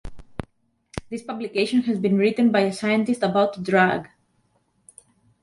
This publication has been written by a scientist about a drug.